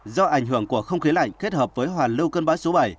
do ảnh hưởng của không khí lạnh kết hợp với hoàn lưu cơn bão số bảy